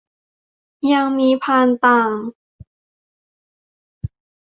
ยังมีพานต่าง